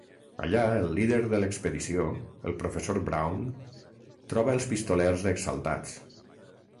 Allà, el líder de l'expedició, el professor Brown, troba els pistolers exaltats.